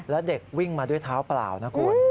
แล้วเด็กวิ่งมาด้วยเท้าเปล่านะคุณ